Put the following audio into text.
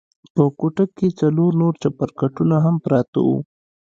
په کوټه کښې څلور نور چپرکټونه هم پراته وو.